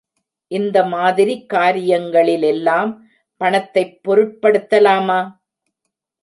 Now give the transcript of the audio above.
இந்த மாதிரிக் காரியங்களிலெல்லாம் பணத்தைப் பொருட்படுத்தலாமா?